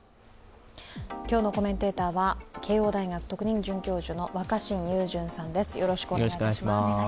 今日のコメンテーターは慶応大学特任准教授の若新雄純さんです。